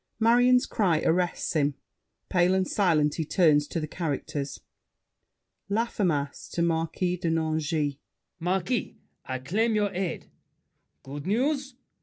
Marion's cry arrests him; pale and silent he turns to the characters. LAFFEMAS (to Marquis de Nangis). Marquis, I claim your aid. Good news!